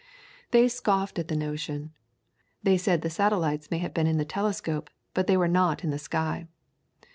They scoffed at the notion; they said the satellites may have been in the telescope, but that they were not in the sky.